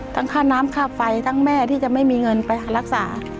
ค่าน้ำค่าไฟทั้งแม่ที่จะไม่มีเงินไปรักษา